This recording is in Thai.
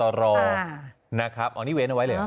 อันนี้เว้นเอาไว้เลยหรือ